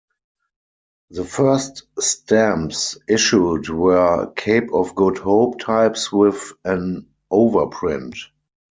The first stamps issued were Cape of Good Hope types with an overprint.